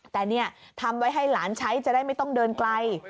แต่เนี่ยทำไว้ให้หลานใช้จะได้ไม่ต้องเดินไกล